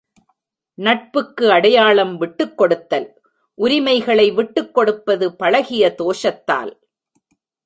நட்புக்கு அடையாளம் விட்டுக்கொடுத்தல் உரிமைகளை விட்டுக்கொடுப்பது பழகிய தோஷத்தால்.